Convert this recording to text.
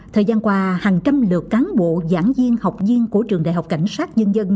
thời gian qua hàng trăm lượt cán bộ giảng viên học viên của trường đại học cảnh sát nhân dân